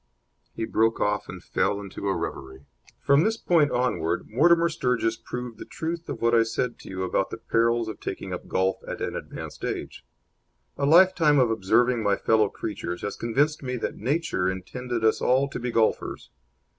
He broke off and fell into a reverie. From this point onward Mortimer Sturgis proved the truth of what I said to you about the perils of taking up golf at an advanced age. A lifetime of observing my fellow creatures has convinced me that Nature intended us all to be golfers.